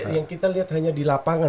yang kita lihat hanya di lapangan